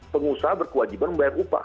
pengusaha berkewajiban membayar upah